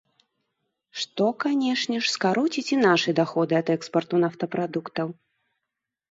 Што, канешне ж, скароціць і нашы даходы ад экспарту нафтапрадуктаў.